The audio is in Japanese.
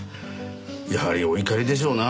やはりお怒りでしょうな